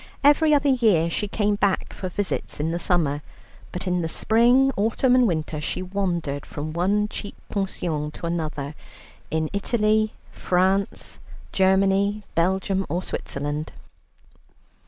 Every other year she came back for visits in the summer, but in the spring, autumn, and winter she wandered from one cheap pension to another in Italy, France, Germany, Belgium, or Switzerland.